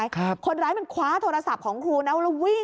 เขาพูดว่าอย่างไร